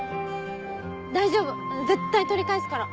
大丈夫絶対取り返すから。